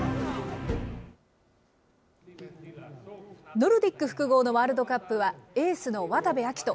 ノルディック複合のワールドカップは、エースの渡部暁斗。